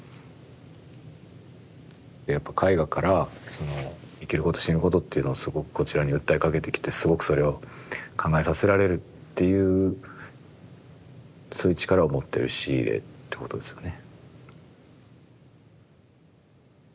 やっぱ絵画からその生きること死ぬことというのをすごくこちらに訴えかけてきてすごくそれを考えさせられるっていうそういう力を持ってるシーレってことですよね。